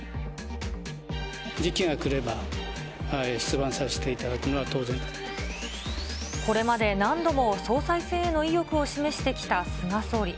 時期がくれば、出馬をさせてこれまで何度も総裁選への意欲を示してきた菅総理。